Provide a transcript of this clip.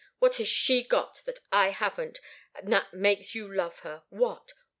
What has she got that I haven't, and that makes you love her what?